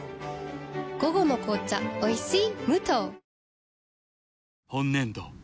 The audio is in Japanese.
午後の紅茶おいしい